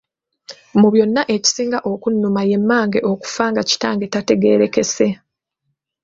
Mu byonna ekyasinga okunnuma ye mmange okufa nga Kitange tategeerekese.